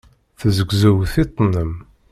Tezzegzew tiṭ-nnem.